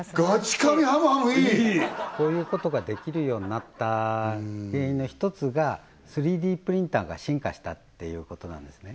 こういうことできるようになった原因の１つが３Ｄプリンターが進化したっていうことなんですね